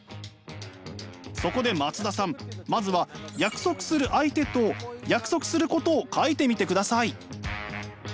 そこで松田さんまずは約束する相手と約束することを書いてみてください。